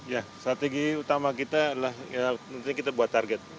ya strategi utama kita adalah tentunya kita buat target